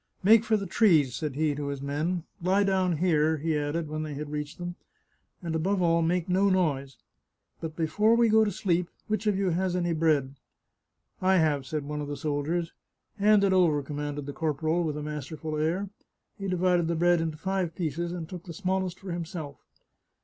" Make for the trees," said he to his men. " Lie down here," he added when they had reached them, " and, above all, make no noise. But before we go to sleep, which of you has any bread ?"" I have," said one of the soldiers. " Hand it over," commanded the corporal, with a mas terful air. He divided the bread into five pieces, and took the smallest for himself.